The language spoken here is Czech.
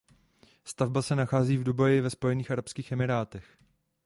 Stavba se nachází v Dubaji ve Spojených arabských emirátech.